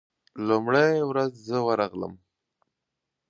لومړۍ ورځ زه ورغلم.